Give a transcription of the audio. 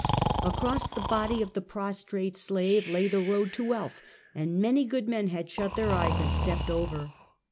Across the body of the prostrate slave lay the road to wealth, and many good men had shut their eyes and stepped over.